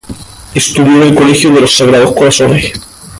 Estudió en el Colegio de Los Sagrados Corazones.